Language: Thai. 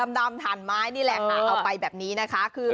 ฐานดำฐานไม้นี่แหละเอาไปแบบนี้นะคะ